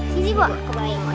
sisi gua aku balik